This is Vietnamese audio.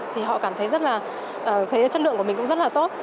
thì họ cảm thấy rất là thấy chất lượng của mình cũng rất là tốt